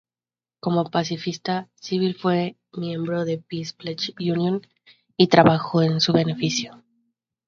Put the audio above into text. Como pacifista, Sybil fue miembro del Peace Pledge Union y trabajó en su beneficio.